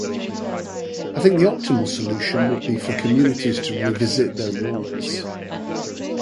I think the optimal solution would be for communities to revisit their rules.